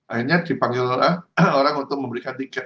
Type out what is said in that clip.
akhirnya dipanggil orang untuk memberikan tiket